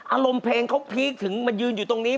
อารมณ์เพลงเขาพีคถึงมันยืนอยู่ตรงนี้